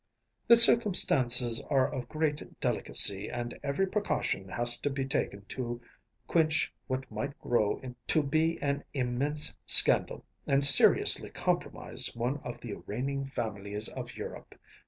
“The circumstances are of great delicacy, and every precaution has to be taken to quench what might grow to be an immense scandal and seriously compromise one of the reigning families of Europe.